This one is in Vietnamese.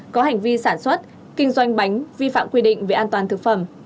có hành vi sản xuất kinh doanh bánh vi phạm quy định về an toàn thực phẩm